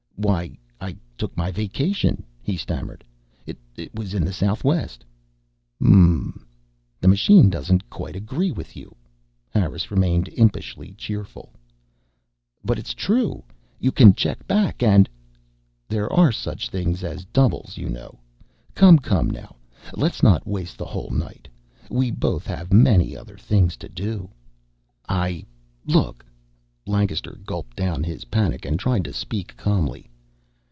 "Why I took my vacation," he stammered. "I was in the Southwest " "Mmmm the machine doesn't quite agree with you." Harris remained impishly cheerful. "But it's true! You can check back and " "There are such things as doubles, you know. Come, come, now, let's not waste the whole night. We both have many other things to do." "I look." Lancaster gulped down his panic and tried to speak calmly.